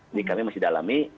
ini kami masih dalami